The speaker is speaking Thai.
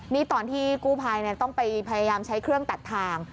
นี่ตอนที่กู้ภัยต้องไปพยายามใช้เครื่องตัดทาง